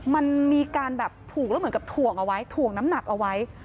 มันมีการแบบผูกแล้วเหมือนกับถ่วงเอาไว้ถ่วงน้ำหนักเอาไว้